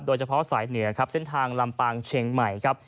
โดยเฉพาะสายเหนือครับเส้นทางลำปางเชียงใหม่ครับ